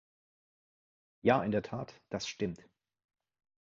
Ja, in der Tat, das stimmt.